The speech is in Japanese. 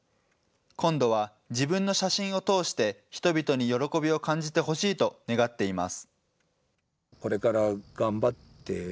今度は自分の写真を通して人々に喜びを感じてほしいと願っています。